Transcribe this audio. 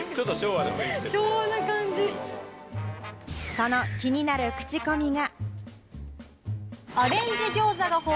その気になるクチコミが。